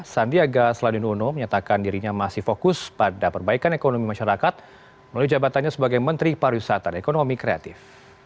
sandiaga seladino menyatakan dirinya masih fokus pada perbaikan ekonomi masyarakat melalui jabatannya sebagai menteri pariwisata dan ekonomi kreatif